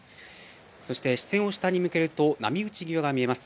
そして視線を下に向けると波打ち際が見えます。